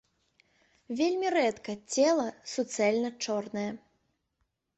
Вельмі рэдка цела суцэльна чорнае.